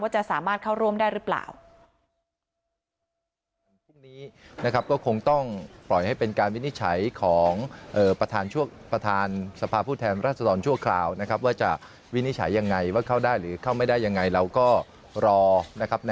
จะสามารถเข้าร่วมได้หรือเปล่า